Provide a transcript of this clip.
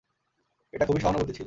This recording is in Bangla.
এটা খুবই সহানুভূতিশীল।